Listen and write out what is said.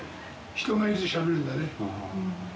人がいるとしゃべるんだね。